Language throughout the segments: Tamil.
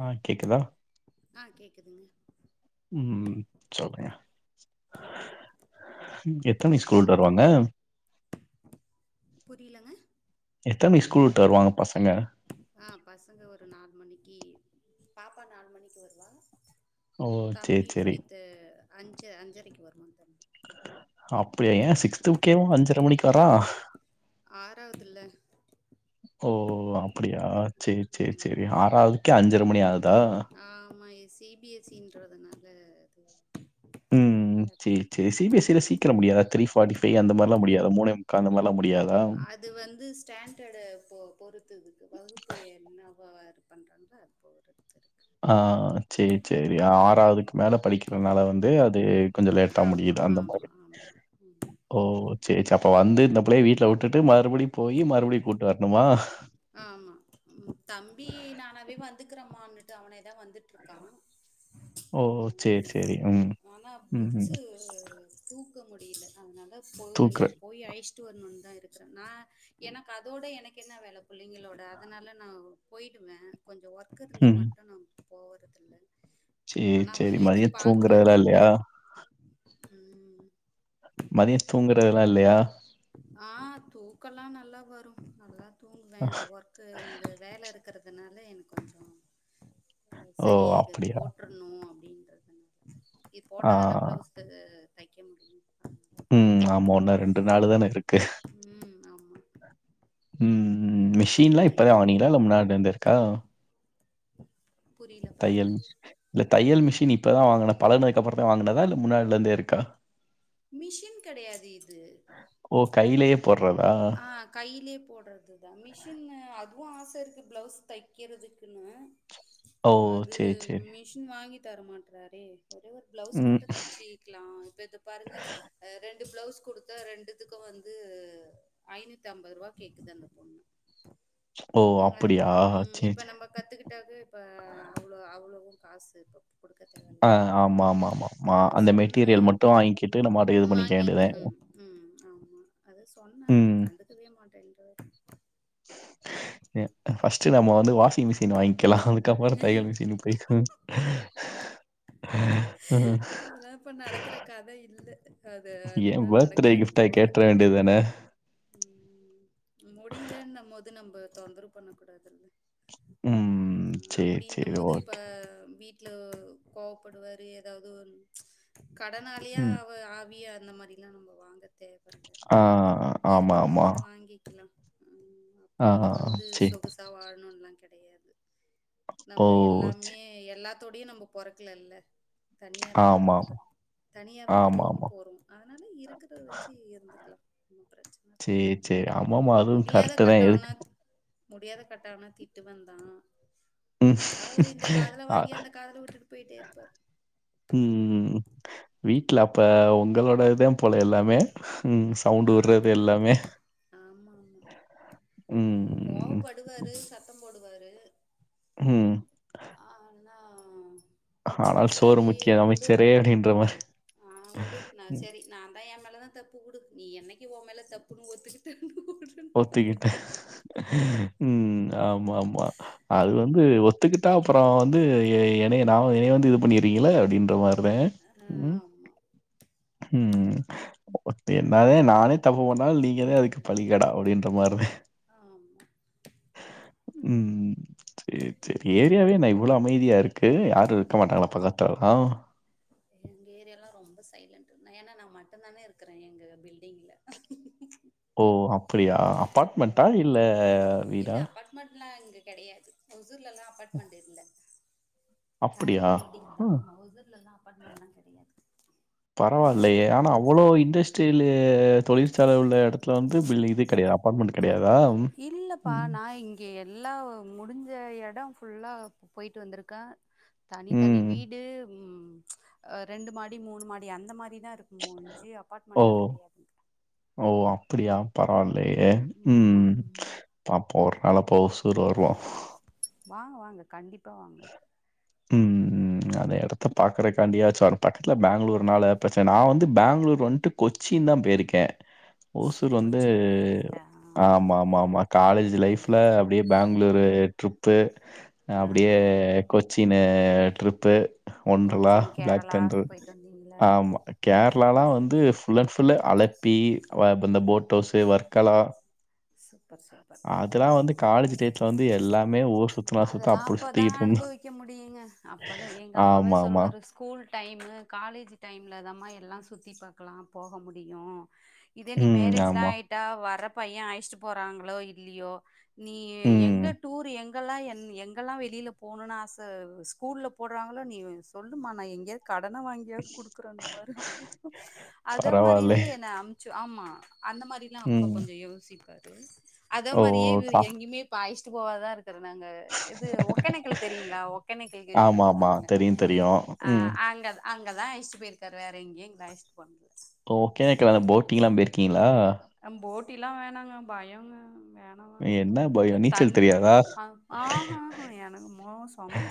ஆ கேக்குதா ஆ கேக்குதுங்க ம் இட்ஸ் ஓகே எத்தன மணி ஸ்கூல் விட்டு ம் வருவாங்க புரிலங்க எத்தன மணிக்கு ஸ்கூல் விட்டு வருவாங்க பசங்க ஆ பசங்க ஒரு நாலு மணிக்கு பாப்பா நாலு மணிக்கு வருவா ஓ சேரி தம்பி சேரி ஃபைத்து அஞ்சு அஞ்சரைக்கு வருவான் தம்பி அப்டியா ஏன் சிக்ஸ்த்க்கேவும் அஞ்சரை மணிக்கு வர்றான் ஆறாவதுல்லா ஓ அப்டியா சேர் சேரி ம் சேரி ஆறாவதுக்கே அஞ்சரை மணி ஆகுதா ஆமா இது சி பி எஸ் இ இன்றாதுனால அது ம் அது சேர் சேரி சி பி எஸ் இல சீக்கிரமா முடியாதா த்ரீ ஃபோர்டி பைவ் அந்த மாரிலாம் முடியாத மூனே முக்க அந்த மாரிலாம் முடியாதா அது வந்து ஸ்டாண்டர்டை பொ பொருத்து இருக்கு வகுப்பு என்னவோ இது பண்றங்களோ அது போ ரகுதர் ஆ செரி செரி ஆறாவதுக்கு மேல படிக்கிறனால வந்து அது கொஞ்ச லேட் ட்ட முடியுது அந்த மாரி உம் ஓ இரி சரி அப்ப வந்து இந்த பிள்ளையை வீட்ல விட்டுட்டு மறுபடியும் போய் மறுபடியும் கூட்டு வரணுமா ஆமா தம்பி நானவே வந்துக்கறேமனுட்டு அவனேதா வந்துட்டு இருக்கா ஓ! அ சரி, சரி. ம். ஆனா ம்ஹ்ம். புக்ஸ்ஷூ தூக்க முடியல அதனால போ தூக்குற இன்னைக்கு போய் ஆயி டுச்சு வரணும் தா இருக்கிறேன் நா எனக்கு அதோட எனக்கு என்ன வேலா பிள்ளைங்களோட அதனால நா போயிடுவேன் கொஞ்சம் ஒர்க் இருந்தா ம். மட்டும் நா போறதில்லா சேரி சேரி மதியம் தூங்குறதுலா இல்லயா ம் மதியம் தூங்குறது எல்லா இல்லயா ஆ தூக்கல்லா நல்லா வரு நல்லா தூங்குவே இந்த ஓர் கு இந்த வேல இருக்கிறதுனால எனக்கு கொஞ்ச ஓ! சரி இத அப்படியா? போட்ரு னு அப்டின்றது இது ஆ. போட்டா தானே ப்ளவுஸ் த தைக்க முடியு அதனால ம் ஆமா போட்டுட்ருக்கே உன்னா ரெண்டு நாளுதானே இருக்கு ம் ஆமா ம் ம் மிஷின்லா கொஞ்சோ இப்பதா வாங்னீங்களா முடிஞ்சு இல்ல முன்னாடில இருந்தே இருக்கா புரியலப்பா தையல் இல்ல தையல் மிஷின் இப்பதா வாங்குன பலக்குனத்துக்கு அப்புறதா வாங்னதா இல்ல முன்னாடில இருந்தே இருக்கா மிஷின் கெடையாது இது ஓ கைலையே போட்றதா ஆ கையிலயே போடுறதுதா மிஷின் அதுவு ஆச இருக்கு ப்ளவுஸ் தக்கிறதுக்குன்னு ஓ! அது சரி, சரி. மிஷின் வாங்கி தரமாட்றாரே ஒரே ஒரு ப்ளவுஸ் ம். மட்டு தச்சி க்லா இப்ப இத பாருங்க அ ரெண்டு ப்ளவுஸ் குடுத்தா ரெண்டுத்துக்கு வந்து ஐனுத்தம்பரூபா கேக்குது அந்த பொண்ணு ஓ! அ அப்படியா? ம் சரி, இப்ப சரி. நம்ம கத்துக்கிட்டாக்கு இப்ப அவ்ளோ அவ்ளவு காசு இப்ப குடுக்கத்த ஆ ஆமா ஆமா ஆமா மா அந்த சொன்னேன். மெட்டீரியல் மட்டு வாங்கிட்டு நம்ம அத இது பண்ணிக்க வாங்கிட்டு வேண்டிதே ம், ம் ஆமா அது சொன்னே ம். அவரு கண்டுக்கவே மாட்டேன்றாரு ஃபர்ஸ்ட் நம்ம வந்து வாஷிங் மிஷின் வாங்க்கலா க்கப்பற தையல் மிஷின் போய்க்குவோ அ அதுல்லா இப்ப நடக்கற கதை இல்ல அது அதுல்லா நடக்காது போல வேண்டிதானே ம் முடிலன்னும் போது நம்ப தொந்தரவு பண்ண கூடாதுல்ல ம் அ சரி அப்டின்னு சரி போது இப்ப ஓகே வீ ட்ல கோவப்படுவாரு எதாது கடனாலியா ம் ஆவிய அந்த மாரி ல்லா நம்ம வாங்க தேவ இல்ல ஆ ஆமா ஆமா இருக்கும்போது வாங்கிக்லா ஆ அப்டி வந்து சரி சொகுசா வாழணும்ல்லா கெடையாது ஓ நம்ப எல்லாமே சரி எ எல்லாத்தோடயு நம்ப பொறக்லல்ல தனியாதான ஆமா வந்தோ தனியாதா ஆமா ஆமா போவுபோறோ அதனால இருக்கிற வச்சு இருந்துக்லா சேர் சேர் ஆமா ஆமா அதுவு முடியாத கரெட்டுதா கட்டம் ஆனா எதுக் முடியாத கட்டன்னா திட்டுவந்தா ம். இந்தெல்ல அவுரு இந்த காதுல ஆ, வாங்கி அந்த காதுல விட்டுட் போயிட்டே இருப்பாரு ம் வீட்ல அப்ப ஒங்களோடதுதா போல எல்லாமே ம் சவுண்டு விடுறது ஆமா ஆமா எல்லாமே ஆமா ஆமா ம் கோவப் படுவாரு சத்தம் போடுவாரு ம் ஆனா ஆனா சோறு முக்கிய அமைச்சரே அப்டின்ற மாரி அ உடு நா செரி நான்தா எ மேலதா தப்பு உடு நீ என்னைக்கு ஒ மேல தப்புன்னு ஒத்துக்குட்ட ஒத்துக்கிட்ட ம் ஆமா ஆமா அது வந்து ஒ த்துக்கிட்டா அப்புறோ வந்து எனய நா என்னைய வந்து இது பண்ணிறீங்கள அப்டின்ற மாரி அ ஆ ம் ஆமா ம் ஒத்த என்னாதே நானே தப்பு பன்னால் நீங்கதா அதுக்கு பலிக்கடா அப்டின்ற மாரிதே ஆமா ம் ச்சே ச்செரி எரியாவேண்ணய் இவ்ளோ அமைதியா இருக்கு யாரு இருக்க மாட்டாங்களா பக்கத்தால்லா இங் ஏரியாலா ரொம்ப சைலண்ட்டு ஏன்னா நா மட்டு தான்ன இருக்றே எங்க பில்டிங்ல ஓ அப்டியா அப்பாட்மெண்ட்டா இல்ல வீடா மட்லா இங்கு கெடையாது ஹொசூர்லல்லா அபாட்மண்ட் இல்ல தனி அப்படியா? பில்டிங் தா ஆ. ஆமா ஹொசூர்லல்லா அப்பாட்மண்லா கெடையாது பரவால்லயே ஆனா அவ்ளோ இண்டஸ்ட்ரில்லு தொழில்ச்சால உள்ள எடத்துல வந்து பில்லு இது கெடைய்யு ஆப் பாட்மெண்ட் கெடையாதாம் இல்லப்பா நா இங் கே எல்லாவ் முடிஞ்ச எடோ ஃபுல்லா போய்ட்டு வந்துருக்கே தனி தனி ம். வீடு உம் அ ரெண்டு மாடி மூணு மாடி அந்த மாரிதாரு மூஞ்சு ஓ! அப்பாட்மெண்ட்லா கடையாதுங்க ஓ அப்டியா பரவால்லையே ம் ஆமா ம் ஆப்ப்போர் நாள பௌசூர் வர்லோ வாங்க வாங்க கண்டிப்பா வாங்க ம் ம் அதே எடத்த பாக்கறக்காண்டியாச்சார் பக்த்துல பேங்ளூர்னால ப்ரச்சன நா வந்து பேங்ளூர் வந்ட்டு கொச்சின் தா போய்ருக்கே ஓசூர் வந்து கொச்சின் போயிருக்கீங்களா? ஆமா ஆமா ஆமா ஆ. காலேஜ் ம் லைஃப்ல டியே பேங்ளூரு ட்ரிப்பு அ ஆ அப்டியே கொச்சினு ட்ரிப்பு ஒன்றலா கொச்சின் ப்ளாக் கேரளா தன்ரு போயிட்டு வந்தீங்களா? ஆமா கேர்ளாலா ம் வந்துஸ் ஃபுல் அட் ஃபுல்லு அளப்பி அவா இந்த போட் ஹவ்ஸு வர்க்கலா சூப்பர் சம் அதெல்லா வந்து காலேஜ்ஜு டேட்ல வந்து எல்லாமே ஓ அதெல்லா அப்பதா அனுபவிக்க முடியுங்க அப்பதா எங்கக்ஷ அப்பாவே ஆமாமா. சொல்வாருஸ் கூல் டைமு காலேஜ்ஜு டைம்ல தாமா எல்லா சுற்றி பாக்லா போக முடியு இதே நீ ம். மேரேஜுலா ஆமா. ஆய்ட்டா வர பையெ அய்ச்சுட்டு போறாங்களோ இல்லியோ நீ ம். எங்க டூரு எங் கல்லா என் எங்கல்லா வெளில போணுன் ஆசவ் ஸ்கூல்ல போடுறாங்ளோ நீவு சொல்லுமா நா எங்யாவ் கடன வாங் கேஸ் குடுக்ற அந்த மாரியா அப்பப்பா அத பரவால்லே. மாறிவே என்ன அம்ச்சு ஆமா அந்த மாரி லா அப்ப ம். கொஞ்சு யோசிப்பாரு அத ஓ! மாரியே இரு கா எங்யுமே பாய்ச்ட்டு போவாதாரு க்கற நாங்க இது ஒக்கேணக்கல் தெரியுங்ளா ஒக்கேணக்கல் கேள்விப்பட்ருக்கீங்க தெரியி தெரியு ம் அங்கதா அய்ச்சிட்டு போய்ருக்காரு வேற் எங்யுன் தய்ஷ்ட் போன்லு ஓ ஓகேணக்கால போட்டிங்லா போய்ர்க்கீங்ளா அ போட்டிலா வேணாங்க பயோங்க வே நானு என்ன அந்த பயம்? நீச்சல் தண்ணி தெரியாதா? அ ஆஹஹ எனக் மோ சாமி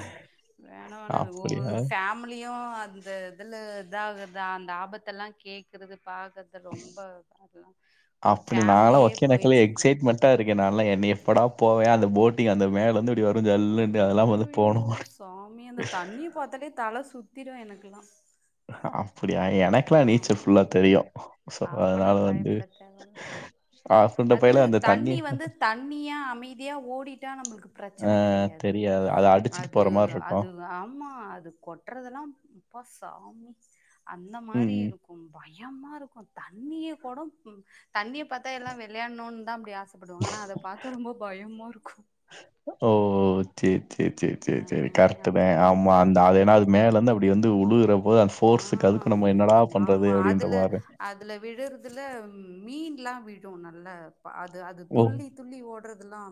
வேணா வேணா ஒவ்வொரு அப்படியா? ஃபேம் ம்லியு அந்த இதில இதாகுதா அந்த ஆபத்தெல்லா கேக்குற்து பாக்கர்து ரொம்ப அதா அப்டி நாங்கலா ஓக்கேனக்கல எக்ஸைட்மண் ட்டா இருக்கே நால்லா எனய எப்படா போவே அந்த போட்டிங் அந்த மேல இருந்து இப்டி வ அய்யோயோய்யோ சாமி அந்த தண்ணிய பாத்தாலே தல சுத்திரு எனக்கல்லா அப்டியா எனக் கலா நீச்சல் ஃபுல்லா ஆமாமா தெரியு சோ அப்பனா அதுனால வந்து பயப்பட தேவையில்ல ஆஃப்டர் அது பைல அந்த தண்ணி வந்து தண்ணியா அமைதியா ஓடிட்டா நம்மளுக்கு ஆ பிரச்சனை கெடையாது தெரியாது. அத அடிச்சுட்டு அது போற மாரி இருக்கும். அது ஆமா அது கொட் கொட்றதல்லா முப்பா சாமி அந்த ம், மாரி ம். இருக்கும்பா பயமா இருக்கு தண்ணிய கூட தண்ணிய பாத்தா எல்லா விளையான்னு தா அப்டி ஆச படுவாங்க ஆனா அத பாத்தா ரொம்ப பயமா இருக்கு ஓ சேர் சேர் சேர் ஆ, சேர் சேர் அந்த கரட்டுதே அளவுக்கு ஆமா அந்த பயமா இருக்கும் அது என்னா அது மேல இருந்து அப்டி வந்து உழுகுற போது அந்த ஆ ஃபோர்ஸுக்கு அதுக்கு நம்ம என்னடா ம், பண்றது ஆமா அப்டின்ற அதுல மாரி அதுல விழுறதுல மீன்லா விழு நல்ல ப அது அது ஓ! துள்ளி துள்ளி ஓட்றதலா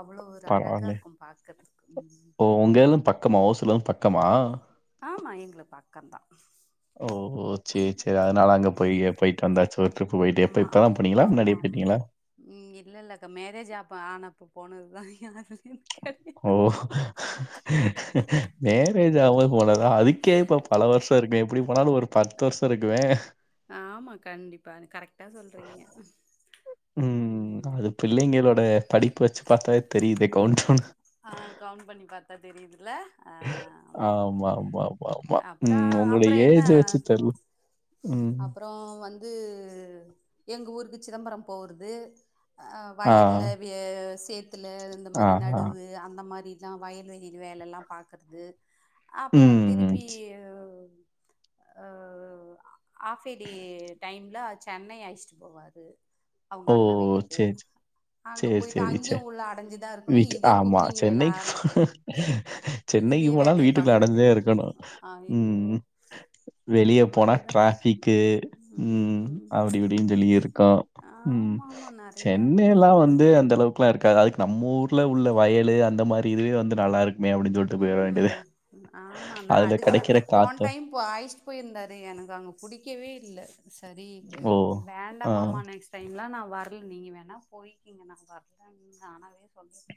அவ்ளோ ஒரு அழகாக பரவால்ல. இருக்கு பாக்கறதுக்கு ம் ஓ! உங்க இதுல இருந்து பக்கமா ஓசுல இருந்து பக்கமா ஆமா எங்களு பக்கந் தா ஓகோ சேர் சேர் ஏதானாலு அங்க போயி ம் போயிட்டு வந்தாச்சு ஒரு டிரிப்பு போயிட்டு எப்ப ஆமா இப்ப தா ஆமா போனீங்களா ஆமா முன்னாடியே போயிட்டீங்களா ம் இல்லல்ல அக்கா மேரேஜ் ஆப்ப ஆனப்ப போனது தா யாருதயு கெடையாது ஓ மேரேஜ் ஆகம் போது போனதா அதுக்கே இப்ப பல வருஷோ இருக்குமே எப்டி போனாலு ஒரு பத்து வருஷோ இருக்குமே ஆமா கண்டிப்பா அது கரெக் ம் ம் அது பிள்ளைங்களோட படிப்ப வச்சு பாத்தாவே தெரியுது கவுண்டவுன் ஆ கவுண்ட் பண்ணி பாத்தா தெரியுதுல்ல அ ஆமா ஆமா ஆமா ஆமா அப்பறோ ம். உங்களோட அப்பறோ என்ன ஏஜ் வச்சு தெர்ல. ம். அப்பறோ வந் அது எங்க ஊருக்கு சிதம்பரம் போறது அ ஆ, வயல்ல வி சேத்துல இந்த ஆ, மாரி ஆ. நடுவு வு அந்த மாரி தா வயல்வெயில் வேலல்லா பாக்குறது அப்பறோ ம். திருப்பி அ ஆஃப்பேலி டைம்ல சென்னை அழைச்சுட்டு போவாரு அவுங்க ஓ! அண்ண வீட்டுக்கு சேரி, அங்க சேரி, போயிட்டு சேரி, அங்கயு சேரி. உள்ள அடஞ்சுதா இருக்கணு வீட் இதே ஆமா. குக்கிங் வேல சென்னைக்கு ஆரம் போ- சென்னைக்கு இதே போனாலும் வேலைய பாக்க வீட்டுக்குள்ள அடைஞ்சே வேண்டியதா இருக்கணும். அய்யயோ ம். வெளிய போனா டிராஃபிக்கு ம் அப்டி இப்டின் சொல்லி எ இருக்கு ம் ஆமா ஆமா நெறையாப்பா சென்னைலா வந்து அந்த அளவுக் கலா இருக்காது அதுக்கு நம்ம ஊர்ல உள்ள வயலு அந்த மாரி இதுவே வந்து நல்லாருக் ம் ஆமா நா அதுல அதுக்கு தா கிடைக்கிற போன காத்த டைம் இப்போ அயைஸ்ட்டு போயிருந்தாரு எனக்கு அங்க புடிக்கவே இல்ல சரி ஓ! வேண்டா ஆ. மாமா நெக்ஸ் டைம்லா நா வரல நீங்க வேணா போய்க்கிங்க நா வரலன் நானாவே சொல்லிட்டே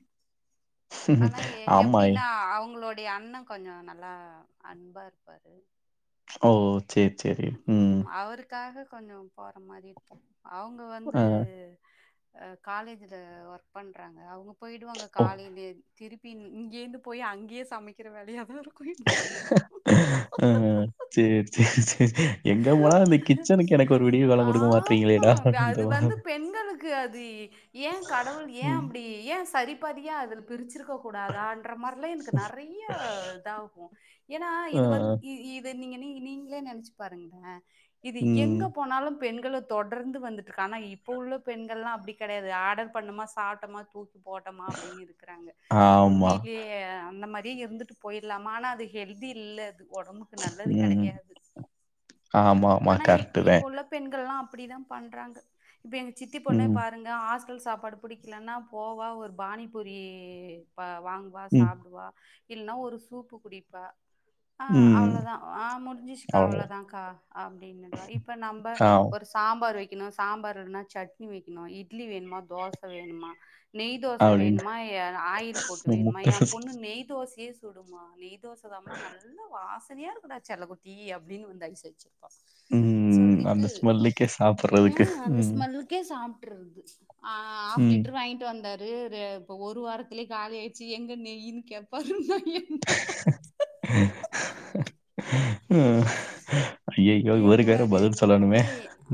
ஆனா எ ஆமா. எப்டின்னா அவுங்களுடைய அண்ண கொஞ்சோ நல்லா அன்பா இருப்பாரு ஓ சேர் சேரி ம் அதுக்காக கொஞ்சோ போற மாரி இருப்போ அவுங்க வந்து ஆ. அ காலேஜுல ஒர்க் பண்றாங்க அவுங்க போயிடுவாங்க ஓ! காலேலயே திருப்பி இங்கேர்ந்து போய் அங்கயே சமைக்கிற வேலையா தா இருக்கு எனக்கு ம் ம் சேரி சேரி சேரி கொடுக்க மாட்றீங்களேடா! ஆமா அப்படின்ற அது வந்து மாரி. பெண்களுக்கு அது ஏன் கடவுள் ஏன் ம். அப்டி ஏன் சரிபதியா அதுல பிரிச்சிருக்க கூடாதான்ற மாறிலா எனக்கு நெறய இதாகு ஏன்னா ஆ, இது வந்து இ இது நீங்க நீங்க நீங்களே நெனச்சு பாருங்களே இது எங்க ம். போனாலு பெண்கள தொடர்ந்து வந்துட்டு இருக்கு ஆனா இப்ப உள்ள பெண்கள் எல்லா அப்டி கெடையாது ஆர்டர் பண்ணமா சாப்ட்டமா தூக் கா போட்டோமா அப்டின்னு இருக்கிறாங்க ஆமா. உண்மையிலயே ஆ அந்த மாறியு இருந்துட்டு போயிலாமா ஆனா அது ஹெல்தி இல்ல அது உடம்புக்கு நல்லது கெடையாது ஆமா ஆனா இப்ப இப்ப உள்ள பெண்கள் எல்லா அப்டி தா பண்றாங்க இப்ப எங்க சித்தி பொண்ணே ம், பாருங் அந்த ஹாஸ்டல் சாப்பாடு புடிக்கலன்னா போவா ஒரு பானி பூரி வா வாங் குவா ம், சாப்புடுவா இல்ன ஒரு சூப்பு குடிப்பா ஆ ம். அவ்ளோ தா ஆ முடிஞ்சிருச்சுக்கா அவ்ளோ அவ்வளோதான். தா அக்கா அப்டின்னுவா இப்ப நம்ப ஆ ஒரு இப்ப சாம்பார் வைக்கணு சாம்பார் இல்லனா சட்னி வைக்கணு இட்லி வேணுமா தோச வேணுமா நெய் தோச அப்படின்னு வேணுமா ஆ ஆயில் போட்டு வேணுமா முட்ட என் பொண்ணு நெய் தோசயே சுடுமா நெய் தோசதா மா நல்ல வாசனையா இருக்குடா செல்ல குட்டி அப்டின்னு வந்து ஐஸ்சு வச்சு ப்ப ம். சொல்லிட்டு அந்த ஸ்மெல்லுக்கே ஆ சாப்பிடுறதுக்கு. அந்த ம், ஸ்மெல்லுக்கே சாப்புடருது ஆ ஹாஃப் ம். லிட்டர் வாங்கிட்டு வந்தாரு ஒரே ஒரு இப்ப ஒரு வாரத்துலேயே காலி ஆயிச்சு எங்க நெயினு கேப்பாரு நா என்ன பண்றது? [unintelligible] இவருக்கு வேற கேக்குவாரு பதில் சொல்லணுமே! அப்பா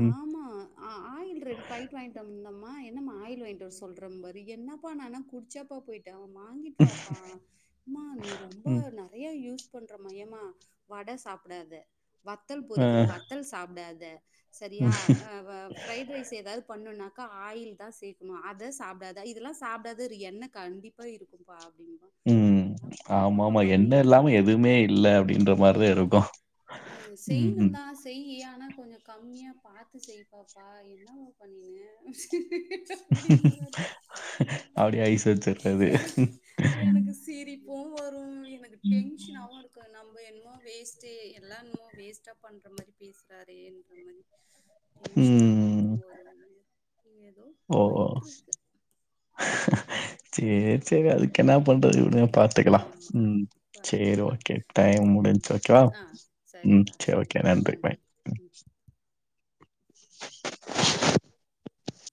ம், ஆமா ஆ ஆயில் ரெண்டு பாக்கெட் வாங்கிட்டு வந்தோம்மா என்னம்மா ஆயில் வாங்கிட்டு வர சொல்றே பாரு என்னப்பா நா என்ன குடிச்சாப்பா போயி் ட்டா வாங்கிட்டு வாப்பா மா நீ ரொம்ப ம். நெ நெறயா யூஸ் பண்ணுறா மா எம்மா வடை சாப்டாத வத்தல் ஆ, பொறிக்கிற வத்தல் சாப்டாத சரியா ஆ ஆ பிரைட் ரைஸ் இப்ப ஏதாவது பண்ணனுனாக்க ஆயில் தா சேக்கணு அத சாப்டாத இத எல்லா சாப்டாத என்ன கண்டிப் டிப்ப இருக்கு ப்பா அப்டின்ம்பா ம் ம் ஆமா ஆமா என்ன இல்லாம இப்டி எதுமே இல்ல அப்டின்ற மாறி தா ம் இருக்கு ம் செய்யனு தா ஆனா செய்யி ஆனா கொஞ்ச கம்மியாக பாத்து செய் பாப்பா என்னமா பண்ணிங்க ச்சே புடின் பாரு அப்படியே ஐஸ் வச்சிர்றது. எனக்கு எனக் எனக்கு சிரிப்பும் வரும் எனக்கு டென்ஷனாவவு இருக்கு நம்ம என்னமோ வேஸ்ட்டு எல்லா என்னமோ வேஸ்ட்டா பண்ற மாறி பேசுறாரேன்ற மாறி டென்ஷனாவு ம். ஆகு ஒரு வழிய இங்க ஏதோ போயிட்டு இருக்கு சேரி சேரி அழுக் என்ன பண்றது ம். விடுங்க பாத்துக்கலா ஆமா. ம் சேரி பார்த்துக்கலாம். ஓகே டைம் ம். முடிஞ்சு ஓகேவா ஆ ம் சரிப்பா சேரி ஓகே சரிப்பா. நன்றி பாய் ம் [inaudible]